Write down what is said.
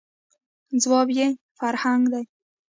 ، ځواب یې «فرهنګ» دی.